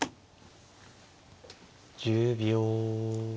１０秒。